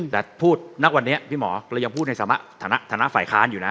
แต่พูดณวันนี้พี่หมอเรายังพูดในฐานะฝ่ายค้านอยู่นะ